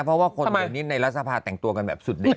เพราะว่าคนเดี๋ยวนี้ในรัฐสภาแต่งตัวกันแบบสุดเด็ด